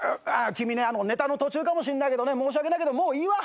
君ねネタの途中かもしんないけどね申し訳ないけどもういいわ。